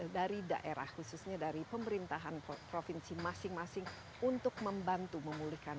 dari daerah khususnya dari pemerintahan provinsi masing masing untuk membantu memulihkan